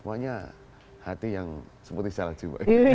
pokoknya hati yang seperti salju